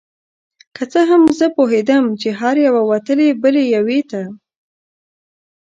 که څه هم زه پوهیدم چې هره یوه وتلې بلې یوې ته